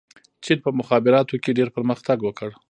چین په مخابراتو کې ډېر پرمختګ وکړ.